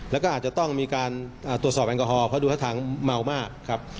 แล้วก็อาจจะต้องมีการตรวจสอบแอลกอฮอลเพราะดูท่าทางเมามากครับ